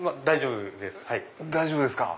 大丈夫です。